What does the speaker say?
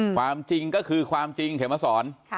ความจริงก็คือความจริงเขมสอน